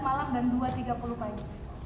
pada pukul sebelas malam dan dua tiga puluh pagi